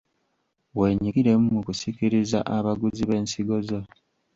Weenyigiremu mu kusikiriza abaguzi b’ensigo zo.